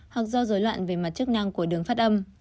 hoặc do dối loạn về mặt chức năng của đường phát âm